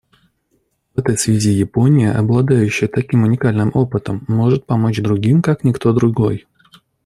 В этой связи Япония, обладающая таким уникальным опытом, может помочь другим как никто другой.